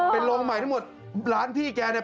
เป็นโรงใหม่ทั้งหมดร้านพี่แกเนี่ย